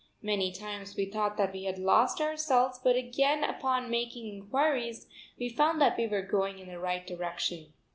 Many times we thought that we had lost ourselves but again upon making inquiries we found that we were going in the right direction.